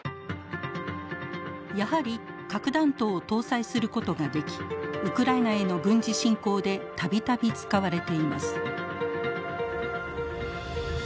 やはり核弾頭を搭載することができウクライナへの軍事侵攻で度々使われています。